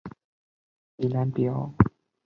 本列表为香港新界区道路交汇处的一览表。